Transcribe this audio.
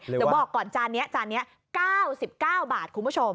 เดี๋ยวบอกก่อนจานนี้จานนี้๙๙บาทคุณผู้ชม